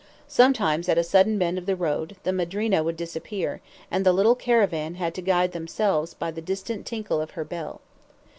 Sometimes at a sudden bend of the road, the MADRINA would disappear, and the little caravan had to guide themselves by the distant tinkle of her bell.